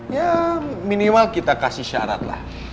ya minimal kita kasih syarat lah